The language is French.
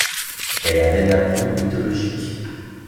Elle avait l’aplomb mythologique.